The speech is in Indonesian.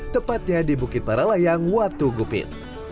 tepatnya di bukit paralayang watu gupit